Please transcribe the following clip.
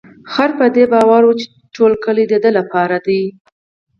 خر په دې باور و چې ټول کلي د ده لپاره دی.